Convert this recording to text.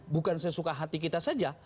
bukan sesuka hati kita saja